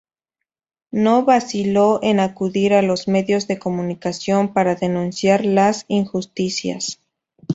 No vaciló en acudir a los medios de comunicación para denunciar las injusticias.